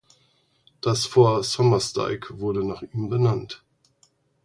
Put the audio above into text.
Das Fort Sommersdijk wurde nach ihm benannt.